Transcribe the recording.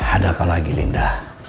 ada kau lagi linda